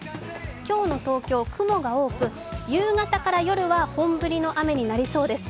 今日の東京、雲が多く夕方から夜は本降りの雨になりそうです。